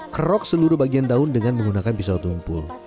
kerok seluruh bagian daun dengan menggunakan pisau tumpul